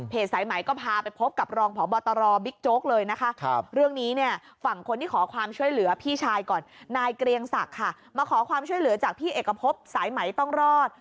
สายไหมก็พาไปพบกับรองพบตรบิ๊กโจ๊กเลยนะคะเรื่องนี้เนี่ยฝั่งคนที่ขอความช่วยเหลือพี่ชายก่อนนายเกรียงศักดิ์ค่ะมาขอความช่วยเหลือจากพี่เอกพบสายไหมต้องรอด